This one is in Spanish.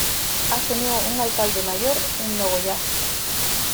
Asumió un alcalde mayor en Nogoyá.